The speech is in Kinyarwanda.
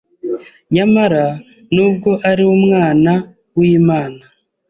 Nyamara, nubwo ari Umwana w’Imana,